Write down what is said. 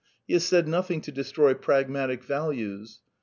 He has said nothing to destroy pragmatic " values."